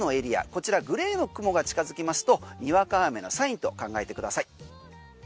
こちらグレーの雲が近づきますとにわか雨のサインと考えてください。